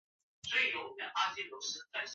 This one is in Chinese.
广泛存在于植物和动物组织中。